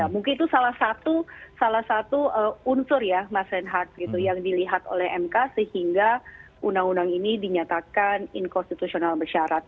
mungkin itu salah satu unsur ya mas reinhardt gitu yang dilihat oleh mk sehingga undang undang ini dinyatakan inkonstitusional bersyarat